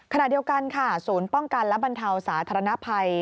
ขณะเดียวกันค่ะศูนย์ป้องกันและบรรเทาสาธารณภัย